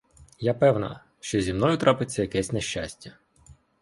Я певна, що зі мною трапиться якесь нещастя.